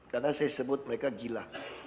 karena saya sebut mereka gila